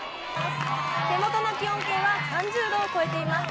手元の気温計は３０度を超えています。